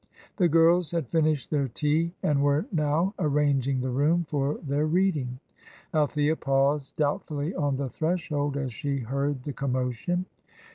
The girls had finished their tea, and were now arranging the room for their reading. Althea paused doubtfully on the threshold as she heard the commotion.